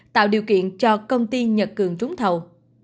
tạo điều kiện cho công ty nhật cường trúng thầu